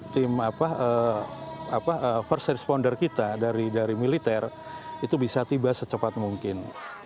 tim apa first responder kita dari militer itu bisa tiba secepat mungkin